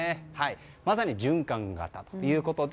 まさに循環型ということで。